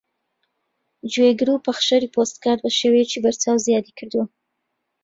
گوێگر و پەخشەری پۆدکاست بەشێوەیەکی بەرچاو زیادی کردووە